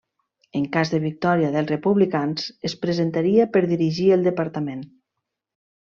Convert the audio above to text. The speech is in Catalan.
En cas de victòria dels Republicans, es presentaria per dirigir el departament.